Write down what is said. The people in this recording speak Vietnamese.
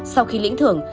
sau khi lĩnh thưởng